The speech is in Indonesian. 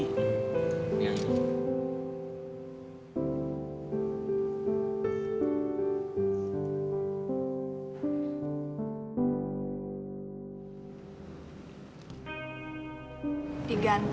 ini aja nih bajunya aja diganti